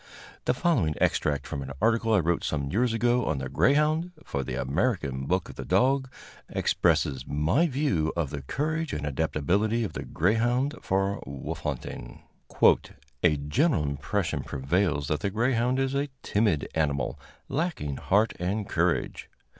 The following extract, from an article I wrote some years ago on the "Greyhound," for the "American Book of the Dog," expresses my views of the courage and adaptability of the greyhound for wolf hunting: "A general impression prevails that the greyhound is a timid animal, lacking heart and courage.